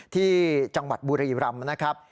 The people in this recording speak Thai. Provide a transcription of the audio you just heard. ที่จังหวัดบุรีรำนะครับ